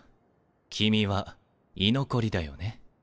君は居残りだよね？